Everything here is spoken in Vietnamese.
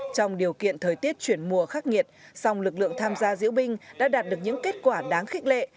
trong điều kiện thời tiết chuyển mùa khắc nghiệt song lực lượng tham gia diễu binh đã đạt được những kết quả đáng khích lệ